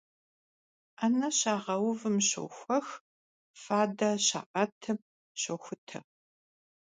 'ene şağeuvım şoxuex, fade şa'etım şoxute.